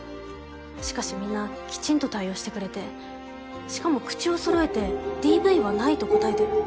しかしみんなきちんと対応してくれてしかも口を揃えて「ＤＶはない」と答えてる。